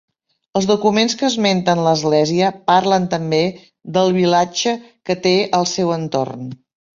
Els documents que esmenten l'església parlen també del vilatge que té al seu entorn.